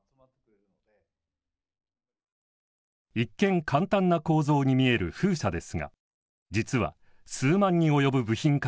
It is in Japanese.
一見簡単な構造に見える風車ですが実は数万に及ぶ部品から出来上がっています。